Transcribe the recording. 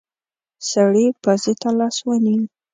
سړی پزې ته لاس ونيو.